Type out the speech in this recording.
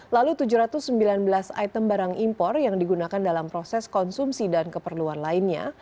lalu tujuh ratus sembilan belas item barang impor yang digunakan dalam proses konsumsi dan keperluan lainnya